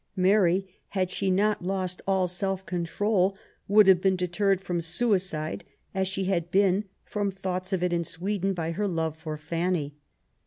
Mary, had she not lost all self control, would have been deterred from suicide, as she had been from thoughts of it in Sweden, by her love for Fanny.